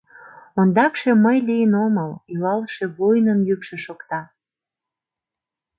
— Ондакше мый лийын омыл, — илалше воинын йӱкшӧ шокта.